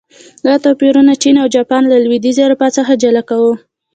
دا توپیرونه چین او جاپان له لوېدیځې اروپا څخه جلا کاوه.